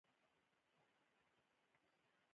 محمود په هر مجلس کې پردي مړي بښي.